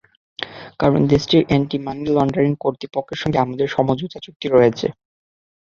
কারণ, দেশটির anti money laundering কর্তৃপক্ষের সঙ্গে আমাদের সমঝোতা চুক্তি রয়েছে।